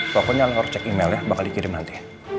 pokoknya harus cek emailnya bakal dikirim nanti